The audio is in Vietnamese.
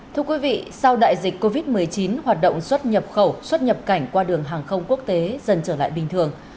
thưa quý vị sau đại dịch covid một mươi chín hoạt động xuất nhập khẩu xuất nhập cảnh qua đường hàng không quốc tế dần trở lại bình thường